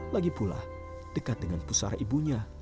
lagi pula dekat dengan pusara ibunya